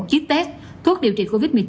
kit test thuốc điều trị covid một mươi chín